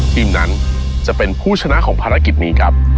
ทีมนั้นจะเป็นผู้ชนะของภารกิจนี้ครับ